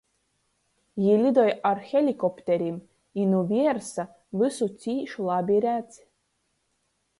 Jī lidoj ar helikopterim i nu viersa vysu cīš labi redz.